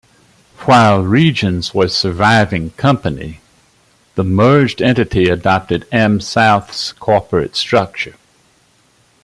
While Regions was surviving company, the merged entity adopted AmSouth's corporate structure.